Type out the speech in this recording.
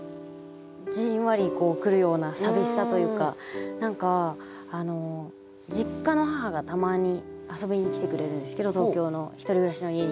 じんわり来るような寂しさというか何か実家の母がたまに遊びに来てくれるんですけど東京の１人暮らしの家に。